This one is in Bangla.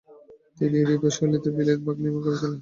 তিনি ইউরোপীয় শৈলীতে ভিলায়েত বাগ নির্মাণ করেছিলেন।